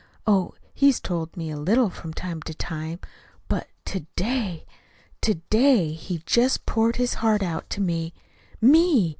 Oh, he's told me a little, from time to time. But to day, to day, he just poured out his heart to me ME!